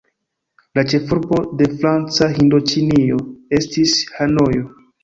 La ĉefurbo de Franca Hindoĉinio estis Hanojo.